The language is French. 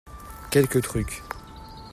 Quelques trucs.